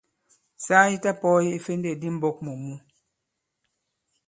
Saa yi ta-pɔ̄ɔye ifendêk i mbɔ̄k mù mǔ.